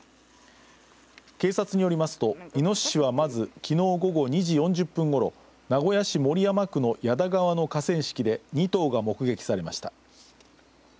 警察によりますといのししはまずきのう午後２時４０分ごろ名古屋市守山区の矢田川の河川敷で２頭が目撃されました。